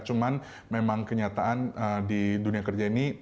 cuman memang kenyataan di dunia kerja ini